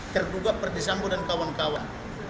terduga verdi sambo dan kawan kawan